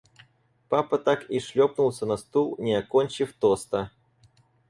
Папа так и шлепнулся на стул, не окончив тоста.